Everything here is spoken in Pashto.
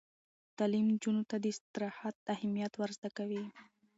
تعلیم نجونو ته د استراحت اهمیت ور زده کوي.